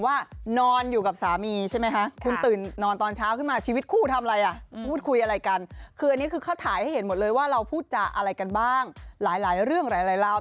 ว่าอะไรกันบ้างหลายเรื่องหลายราว